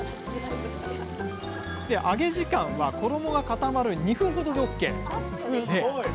で揚げ時間は衣が固まる２分ほどでＯＫです。